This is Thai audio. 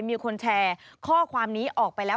มีคนแชร์ข้อความนี้ออกไปแล้ว